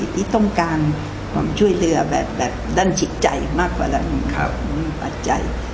ที่ต้องการความช่วยเหลือแบบด้านจิตใจมากกว่าเราปัจจัย